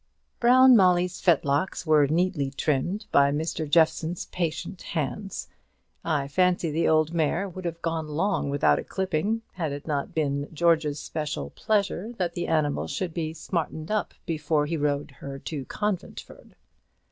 Brown Molly's fetlocks were neatly trimmed by Mr. Jeffson's patient hands. I fancy the old mare would have gone long without a clipping, had it not been George's special pleasure that the animal should be smartened up before he rode her to Conventford.